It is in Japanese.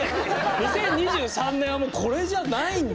２０２３年はもうこれじゃないんだ。